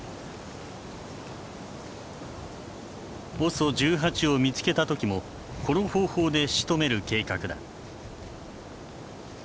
ＯＳＯ１８を見つけた時もこの方法でしとめる計画だ。